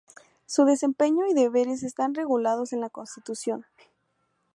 Su desempeño y deberes están regulados en la Constitución.